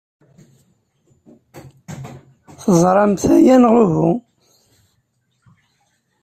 Teẓramt aya, neɣ uhu?